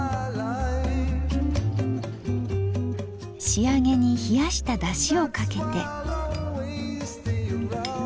仕上げに冷やしただしをかけて。